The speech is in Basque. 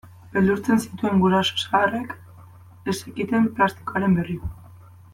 Beldurtzen zituen guraso zaharrek ez zekiten plastikoaren berri.